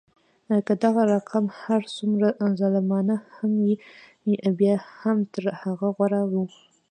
که دغه ارقام هر څومره ظالمانه هم وي بیا هم تر هغه غوره وو.